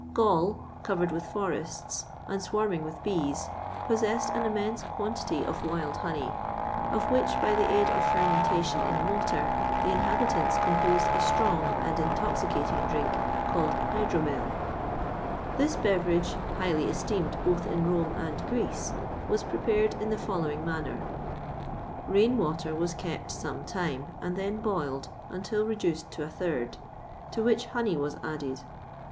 [XXVI 35] Gaul, covered with forests, and swarming with bees, possessed an immense quantity of wild honey, of which, by the aid of fermentation in water, the inhabitants composed a strong and intoxicating drink, called hydromel. This beverage, highly esteemed both in Rome and Greece, was prepared in the following manner: rain water was kept some time, and then boiled until reduced to one third, to which honey was added.